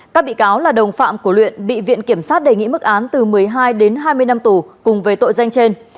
các bị cáo là đồng phạm của luyện bị viện kiểm sát đề nghị mức án từ một mươi hai đến hai mươi năm tù cùng về tội danh trên